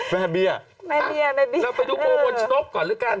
แม่เบี้ยแล้วไปดูโครงโทหนกก่อนด้วยกัน